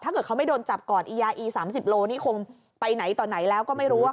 ถ้าเกิดเขาไม่โดนจับก่อนยาอี๓๐โลนี่คงไปไหนต่อไหนแล้วก็ไม่รู้